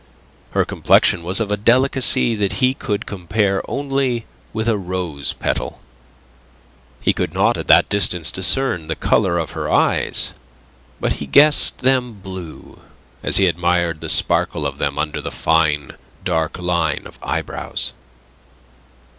Her complexion was of a delicacy that he could compare only with a rose petal. He could not at that distance discern the colour of her eyes, but he guessed them blue, as he admired the sparkle of them under the fine, dark line of eyebrows.